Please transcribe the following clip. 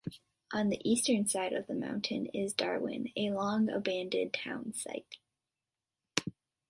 On the eastern side of the mountain is Darwin, a long-abandoned town site.